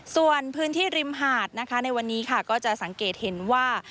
ส่วนพื้นที่ริมหาดนะคะในวันนี้ค่ะก็จะสังเกตเห็นว่า